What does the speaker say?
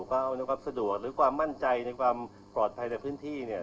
ความสะดวกหรือความมั่นใจความปลอดภัยในพื้นที่